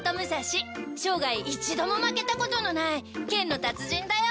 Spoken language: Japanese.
生涯一度も負けたことのない剣の達人だよ。